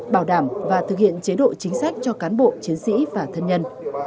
bảo đảm và thực hiện chế độ chính sách cho cán bộ chiến sĩ và thân nhân